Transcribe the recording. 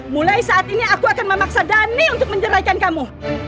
mulai saat ini aku akan memaksa dhani untuk menjeraikan kamu